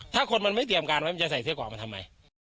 ถ้าคนมันไม่เตรียมการไว้มันจะใส่เสื้อกรอกมาทำไม